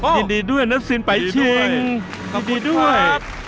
ยินดีด้วยนัสซินไปชิงยินดีด้วย